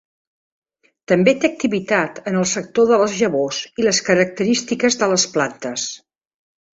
També té activitat en el sector de les llavors i les característiques de les plantes.